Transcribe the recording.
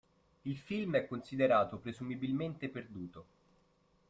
Il film è considerato presumibilmente perduto.